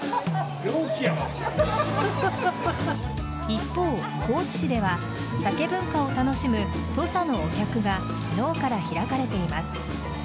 一方高知市では酒文化を楽しむ土佐のおきゃくが昨日から開かれています。